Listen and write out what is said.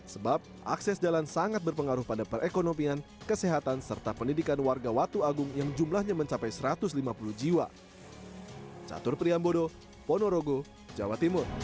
sebab akses jalan sangat berpengaruh pada perekonomian kesehatan serta pendidikan warga watu agung yang jumlahnya mencapai satu ratus lima puluh jiwa